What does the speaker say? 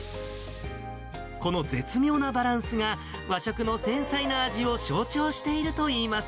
この絶妙なバランスが、和食の繊細な味を象徴しているといいます。